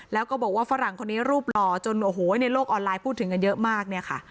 แล้วก็บอกว่าฝรั่งคนนี้รูปหล่อจนโอ้โหในโลกออนไลน์พูดถึงกันเยอะมากเนี่ยค่ะ